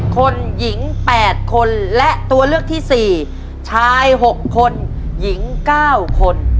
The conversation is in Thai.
คนหญิง๘คนและตัวเลือกที่๔ชาย๖คนหญิง๙คน